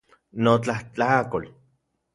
Notlajtlakol